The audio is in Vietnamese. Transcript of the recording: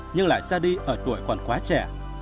nhưng lại xa đi ở tuổi còn quá trẻ